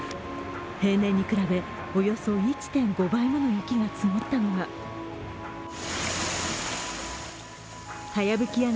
平年に比べ、およそ１．５倍もの雪が積もったのがかやぶき